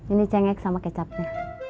ini cengek sama kecapnya